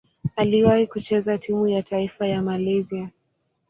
Aliwahi kucheza timu ya taifa ya Malaysia.